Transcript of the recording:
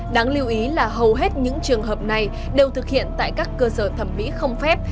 đáng lưu ý là hầu hết những trường hợp này đều thực hiện tại các cơ sở thẩm mỹ không phép